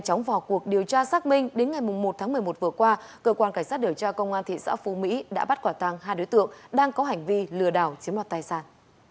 trong cuộc vừa qua cơ quan cảnh sát hiểu tra công an thị xã phú mỹ đã bắt quả tàng hai đối tượng đang có hành vi lừa đảo chiếm loạt thai sản